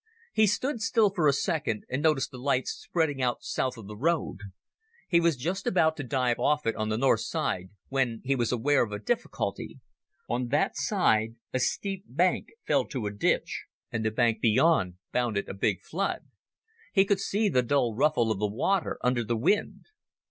He stood still for a second, and noticed the lights spreading out south of the road. He was just about to dive off it on the north side when he was aware of a difficulty. On that side a steep bank fell to a ditch, and the bank beyond bounded a big flood. He could see the dull ruffle of the water under the wind.